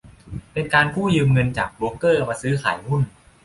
เป็นการกู้ยืมเงินจากโบรกเกอร์มาซื้อขายหุ้น